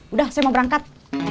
udah saya mau berangkat